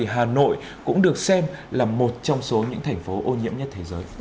hà nội cũng được xem là một trong số những thành phố ô nhiễm nhất thế giới